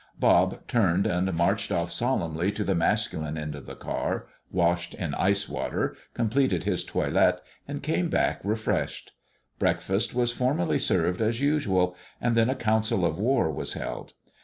Bob turned and marched off solemnly to the masculine end of the car, washed in ice water, completed his toilet, and came back refreshed. Breakfast was formally served as usual, and then a council of war was held.